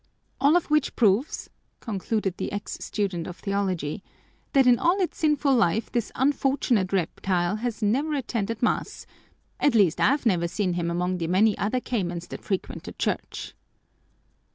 "All of which proves," concluded the ex student of theology, "that in all its sinful life this unfortunate reptile has never attended mass at least, I've never seen him among the many other caymans that frequent the church."